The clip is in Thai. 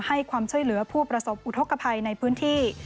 ให้ความช่วยเหลือผู้ประสบอุทธกภัยในพื้นที่